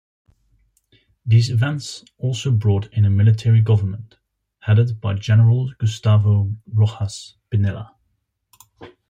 These events also brought in a Military Government headed by General Gustavo Rojas Pinilla.